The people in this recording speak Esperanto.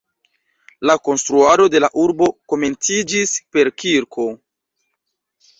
La konstruado de la urbo komenciĝis per kirko.